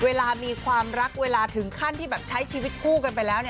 เวลามีความรักเวลาถึงขั้นที่แบบใช้ชีวิตคู่กันไปแล้ว